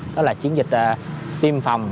đó là chiến dịch tiêm phòng